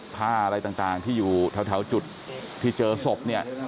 ผ้าอะไรต่างที่อยู่แถวจุดที่เจอศพเนี่ย